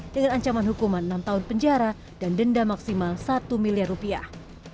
dengan ancaman hukuman enam tahun penjara dan denda maksimal satu miliar rupiah